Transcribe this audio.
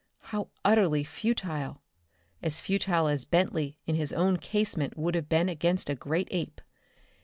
How utterly futile! As futile as Bentley in his own casement would have been against a great ape!